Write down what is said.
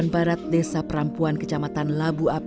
sehari sebelumnya itu boleh